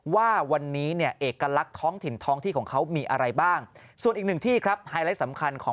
ว่าวันนี้เอกลักษณ์ท้องถิ่นท้องที่ของเขามีอะไรบ้าง